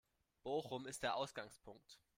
Bochum ist der Ausgangspunkt.